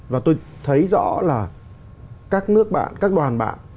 và tôi thấy rõ là các nước bạn các đoàn bạn